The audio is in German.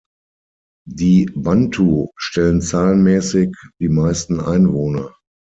Die Bantu stellen zahlenmäßig die meisten Einwohner.